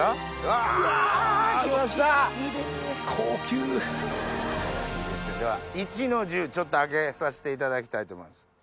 高級！では壱の重ちょっと開けさせていただきたいと思います。